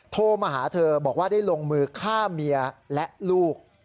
โทรมาหาเธอบอกว่าได้ลงมือฆ่าเมียและลูก